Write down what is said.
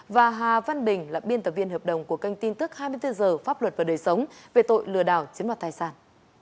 và hà văn bình là biên tập viên hợp đồng của kênh tin tức hai mươi bốn h pháp luật và đời sống về tội lừa đảo chiếm đoạt tài sản